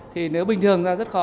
thì nếu bình thường ra rất khó